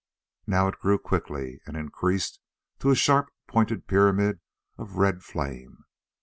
Now it grew quickly, and increased to a sharp pointed pyramid of red flame.